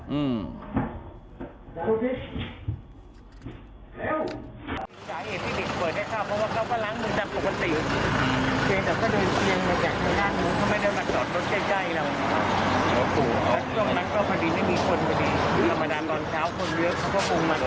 เขาก็คงมาดูหาเวลาที่ไม่มีคนแล้วพอดีเขาก็คงสังเกตเห็นว่า